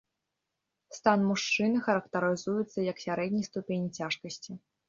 Стан мужчыны характарызуецца як сярэдняй ступені цяжкасці.